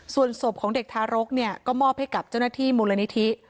ส่วนศพของเด็กทารกเนี่ยก็มอบให้กับเจ้าหน้าที่มูลนิธิ